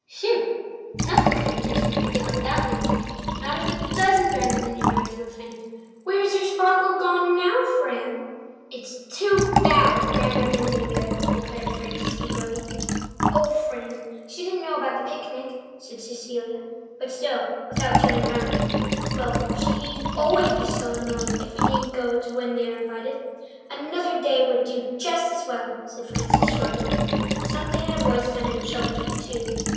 "Whew! Nothing could induce me to give up that picnic—not if a dozen Grandmother Newburys were offended. Where's your sparkle gone now, Fran?" "It's too bad of Grandmother Newbury," declared Frances angrily. "Oh, Fran, she didn't know about the picnic," said Cecilia—but still without turning round. "Well, she needn't always be so annoyed if we don't go when we are invited. Another day would do just as well," said Frances shortly. Something in her voice sounded choked too.